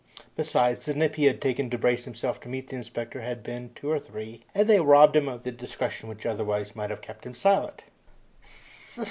Besides, the nip he had taken to brace himself to meet the inspector had been two or three, and they robbed him of the discretion which otherwise might have kept him silent.